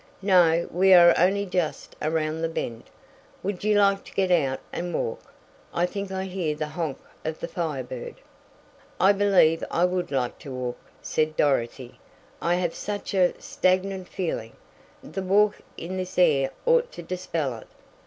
"No, we are only just around the bend. Would you like to get out and walk? I think I hear the honk of the Firebird." "I believe I would like to walk," said Dorothy. "I have such a stagnant feeling. The walk in this air ought to dispel it."